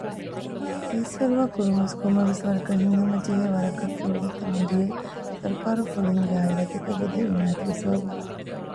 ބޭސްފަރުވާ ކުރުންވެސް ކޮންމެވެސް ވަރަކަށް ހިތްހަމަޖެހޭވަރަކަށް ކުރިއަށް ދަމުން ދިޔައީ ސަރުކާރުން ފުލުހުންގެ އާއިލާތަކަށް ވެދޭ އިނާޔަތުގެ ސަބަބުން